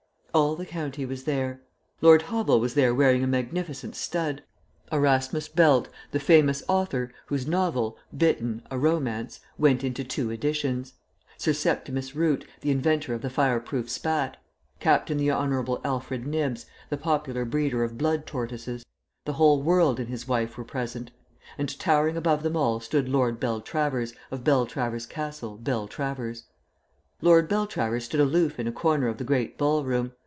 All the county was there. Lord Hobble was there wearing a magnificent stud; Erasmus Belt, the famous author, whose novel, Bitten: A Romance, went into two editions; Sir Septimus Root, the inventor of the fire proof spat; Captain the Honourable Alfred Nibbs, the popular breeder of blood tortoises the whole world and his wife were present. And towering above them all stood Lord Beltravers, of Beltravers Castle, Beltravers. Lord Beltravers stood aloof in a corner of the great ball room.